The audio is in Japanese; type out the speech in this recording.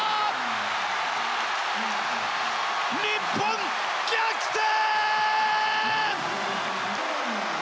日本逆転！